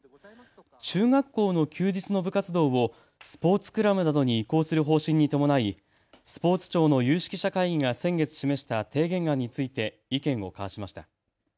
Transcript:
中学校の休日の部活動をスポーツクラブなどに移行する方針に伴いスポーツ庁の有識者会議が先月示した提言案について意見を交わしました。